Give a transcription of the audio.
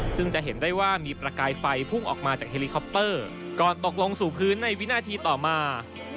ซึ่งจะเห็นได้ว่ามีประกายไฟพุ่งออกมาจากเฮลิคอปเตอร์ก่อนตกลงสู่พื้นในวินาทีต่อมา